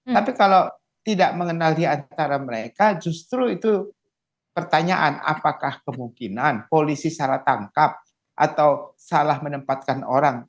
tapi kalau tidak mengenal diantara mereka justru itu pertanyaan apakah kemungkinan polisi salah tangkap atau salah menempatkan orang